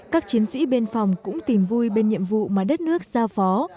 các chiến sĩ bên phòng cũng tìm vui bên nhiệm vụ mà đất nước xa phó